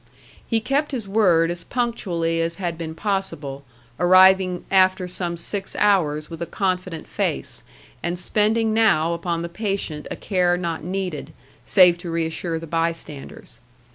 He kept his word as punctually as had been possible, arriving after some six hours with a confident face, and spending now upon the patient a care not needed, save to reassure the bystanders.